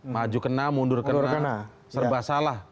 maju kena mundur kena serba salah